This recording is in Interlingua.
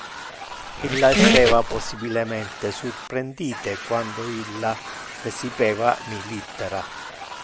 Illa esseva possibilemente surprendite quando illa recipeva mi littera.